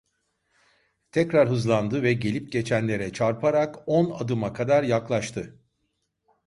Tekrar hızlandı ve gelip geçenlere çarparak on adıma kadar yaklaştı.